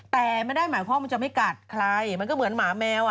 แต่ไม่ได้หมายความว่ามันจะไม่กัดใครมันก็เหมือนหมาแมว